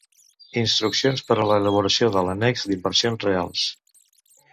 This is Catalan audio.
Instruccions per a l'elaboració de l'annex d'inversions reals.